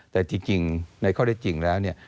แต่ที่จริงในข้อเรียกจริงแล้วเนี่ย